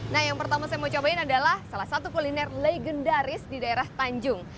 nah yang pertama saya mau cobain adalah salah satu kuliner legendaris di daerah tanjung